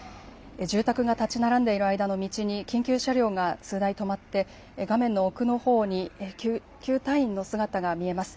住宅が建ち並んでいる間の道に緊急車両が数台止まって画面の奥のほうに救急隊員の姿が見えます。